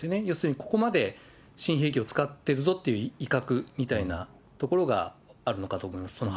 要するに、ここまで新兵器を使っているぞっていう威嚇みたいなところがあるのかと思います。